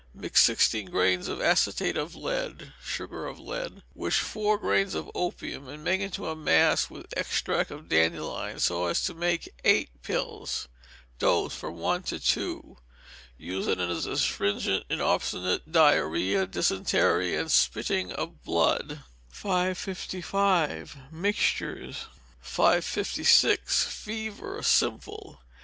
Mix sixteen grains of acetate of lead (sugar of lead) with four grains of opium, and make into a mass with extract of dandelion, so as to make eight pills. Dose, from one to two. Use as an astringent in obstinate diarrhoea, dysentery, and spitting of blood. 555. Mixtures. 556. Fever, Simple.